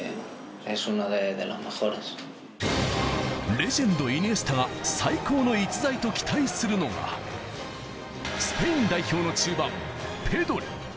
レジェンド、イニエスタが最高の逸材と期待するのがスペイン代表の１０番・ペドリ。